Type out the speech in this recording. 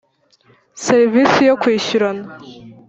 serivisi yo kwishyurana